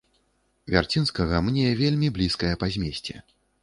Вярцінскага мне вельмі блізкая па змесце.